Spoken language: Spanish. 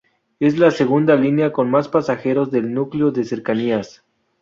Es la segunda línea con más pasajeros del núcleo de cercanías.